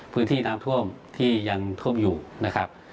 พื้นที่น้ำท่วมที่ยังท่วมอยู่นะครับ